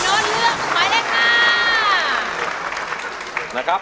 โน้ตเลือกสุดไหมได้ค่ะ